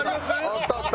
あったあった。